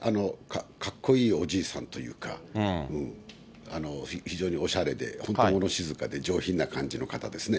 かっこいいおじいさんというか、非常におしゃれで、本当もの静かで上品な感じの方ですね。